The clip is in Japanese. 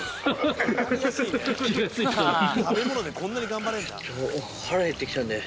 食べ物でこんなに頑張れるんだ。